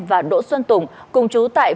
và đỗ xuân tùng cùng chú tại